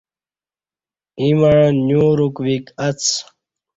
ییں مع نیوروک ویک اڅ